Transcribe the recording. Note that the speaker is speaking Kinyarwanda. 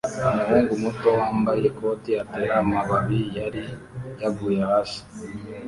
Umuhungu muto wambaye ikoti atera amababi yari yaguye hasi